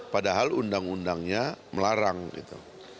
padahal undang undangnya melarang gitu